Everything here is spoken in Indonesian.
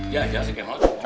jatuh aja si k mod